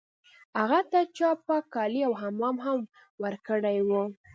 هغه ته چا پاک کالي او حمام هم ورکړی و